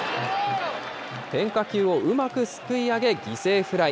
変化球をうまくすくい上げ、犠牲フライ。